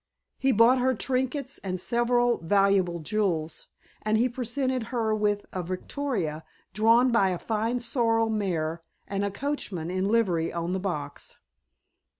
He bought her trinkets and several valuable jewels, and he presented her with a victoria, drawn by a fine sorrel mare, and a coachman in livery on the box.